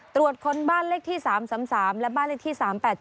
ตรวจค้นบ้านเลขที่๓๓และบ้านเลขที่๓๘๗